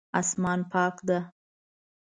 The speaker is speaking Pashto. اسمان پاک ده